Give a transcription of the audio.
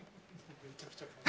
めちゃくちゃかわいい。